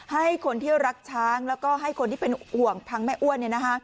ให้คนที่รักช้างแล้วก็ให้คนที่เป็นห่วงพังแม่อ้วน